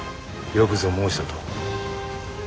よくぞ申したと。